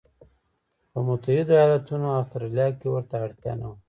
په متحدو ایالتونو او اسټرالیا کې ورته اړتیا نه وه.